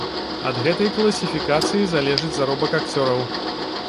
Ад гэтай класіфікацыі залежыць заробак акцёраў.